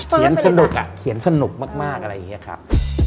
สนุกอ่ะเขียนสนุกมากอะไรอย่างนี้ครับ